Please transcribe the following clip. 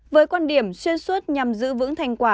với quan điểm xuyên suốt nhằm giữ vững thành quả